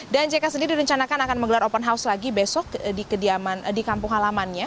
dan jk sendiri direncanakan akan menggelar open house lagi besok di kampung halamannya